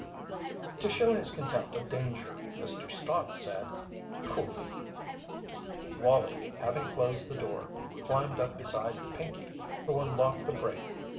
To show his contempt of danger, Mr. Stott said: "Poof!" Wallie, having closed the door, climbed up beside Pinkey, who unlocked the brake.